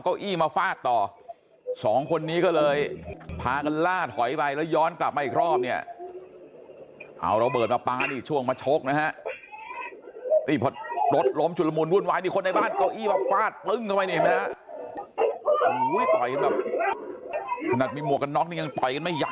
ก็ได้คนออกมาช่วยเนี่ย